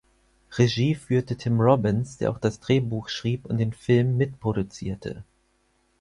Regie führte Tim Robbins, der auch das Drehbuch schrieb und den Film mitproduzierte.